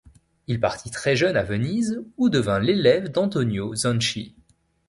Il partit très jeune à Venise, où devint l'élève d'Antonio Zanchi.